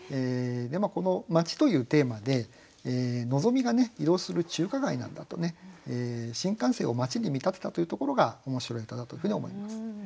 この「まち」というテーマでのぞみが移動する中華街なんだと新幹線を街に見立てたというところが面白い歌だというふうに思います。